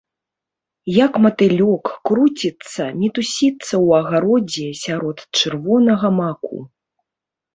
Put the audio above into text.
Як матылёк, круціцца, мітусіцца ў агародзе сярод чырвонага маку.